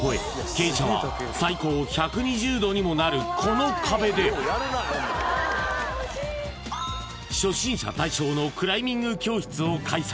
傾斜は最高１２０度にもなるこの壁で初心者対象のクライミング教室を開催